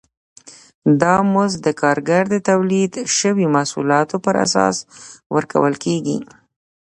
دا مزد د کارګر د تولید شویو محصولاتو پر اساس ورکول کېږي